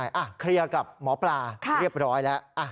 เคลียร์กับหมอปลาเรียบร้อยแล้ว